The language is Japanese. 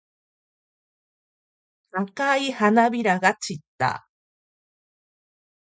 赤い花びらが散った。